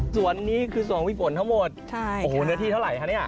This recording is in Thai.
สวนนี่คือสวนของพี่ฝนทั้งหมดเนื้อที่เท่าไรคะเนี่ย